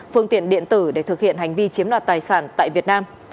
phương tiện điện tử để thực hiện hành vi chiếm đoạt tài sản tại việt nam